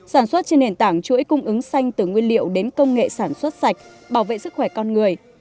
sản xuất trên nền tảng chuỗi cung ứng xanh từ nguyên liệu đến công nghệ sản xuất sạch bảo vệ sức khỏe con người